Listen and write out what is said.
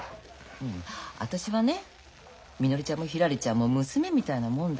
私はねみのりちゃんもひらりちゃんも娘みたいなもんだから。